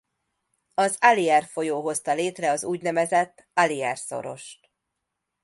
Az Allier folyó hozta létre az úgynevezett Allier szorost.